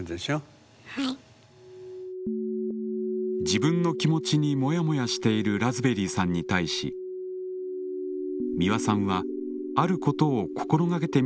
自分の気持ちにモヤモヤしているラズベリーさんに対し美輪さんはあることを心掛けてみてはどうかと言います。